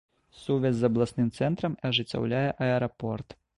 Сувязь з абласным цэнтрам ажыццяўляе аэрапорт.